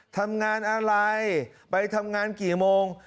ทำงานอะไรไปทำงานกี่โมง